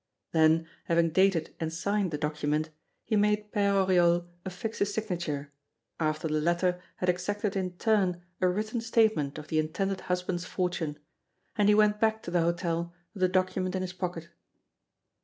Then, having dated and signed the document, he made Père Oriol affix his signature, after the latter had exacted in turn a written statement of the intended husband's fortune, and he went back to the hotel with the document in his pocket.